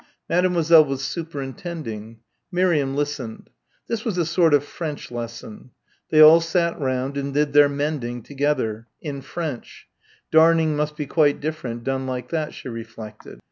Mademoiselle was superintending. Miriam listened. This was a sort of French lesson. They all sat round and did their mending together in French darning must be quite different done like that, she reflected.